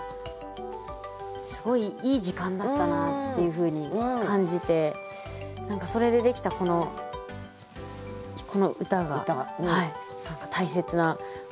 すごいいい時間だったなっていうふうに感じて何かそれでできたこの歌が大切なものになったなと思います。